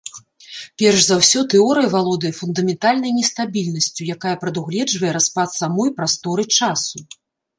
Перш за ўсё, тэорыя валодае фундаментальнай нестабільнасцю, якая прадугледжвае распад самой прасторы-часу.